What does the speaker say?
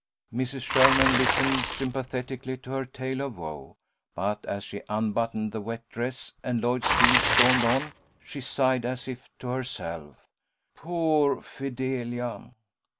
Mrs. Sherman listened sympathetically to her tale of woe, but as she unbuttoned the wet dress, and Lloyd still stormed on, she sighed as if to herself, "Poor Fidelia!"